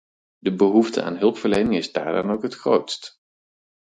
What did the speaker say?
De behoefte aan hulpverlening is daar dan ook het grootst.